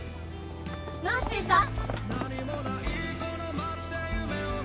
ナンシーさん。